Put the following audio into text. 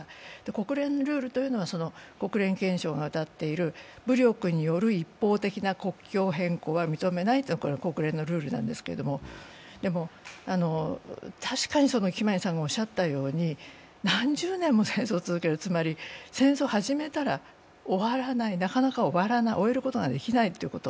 国連のルールというのは国連憲章がうたっている武力による一方的な国境変更は認めないというのが国連のルールなんですけども、でも確かにキマニさんがおっしゃったように何十年も戦争を続ける、つまり戦争を始めたら終わらない、なかなか終えることができないということ。